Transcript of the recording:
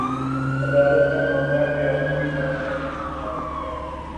عدالت کامعاملہ، ریاستی اداروں میں سب سے نازک ہے۔